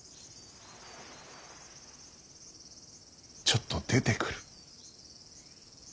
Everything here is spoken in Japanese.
ちょっと出てくる。